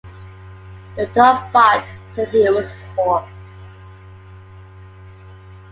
The dog barked till he was hoarse.